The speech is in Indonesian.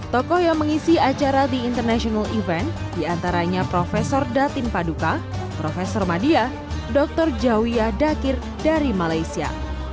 tokoh yang mengisi acara di international event diantaranya prof datin paduka prof madia dr jawiyah dakir dari malaysia